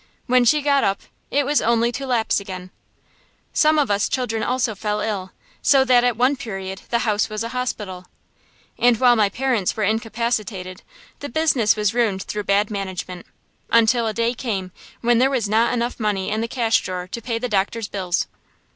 When she got up, it was only to lapse again. Some of us children also fell ill, so that at one period the house was a hospital. And while my parents were incapacitated, the business was ruined through bad management, until a day came when there was not enough money in the cash drawer to pay the doctor's bills.